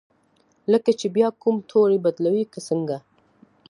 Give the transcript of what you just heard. لکه چې بیا کوم توری بدلوي که څنګه؟